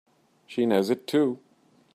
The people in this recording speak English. She knows it too!